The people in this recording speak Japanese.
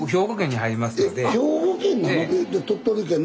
えっ兵庫県なの⁉